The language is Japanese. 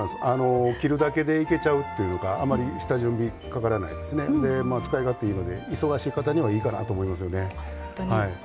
切るだけでいけちゃうっていうかあまり下準備がかからなくて使い勝手がいいので忙しい方にはいいかなと思います。